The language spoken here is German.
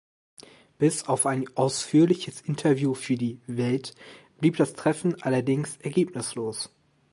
Bis auf ein ausführliches Interview für die "Welt" blieb das Treffen allerdings ergebnislos.